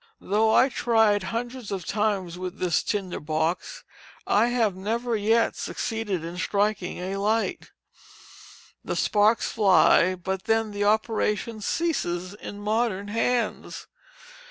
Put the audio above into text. Though I have tried hundreds of times with this tinder box, I have never yet succeeded in striking a light. The sparks fly, but then the operation ceases in modern hands.